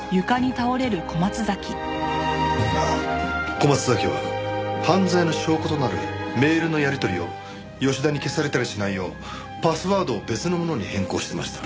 小松崎は犯罪の証拠となるメールのやり取りを吉田に消されたりしないようパスワードを別のものに変更してました。